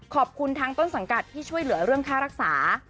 ขอบคุณทั้งต้นสังกัดที่ช่วยเหลือเรื่องค่ารักษา